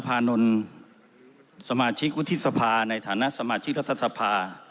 ประธานสมาชิกวุฒิษภาในฐานะสมาชิกรัฐสะพา